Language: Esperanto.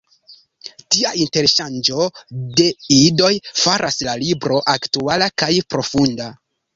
Tia interŝanĝo de ideoj faras la libro aktuala kaj profunda.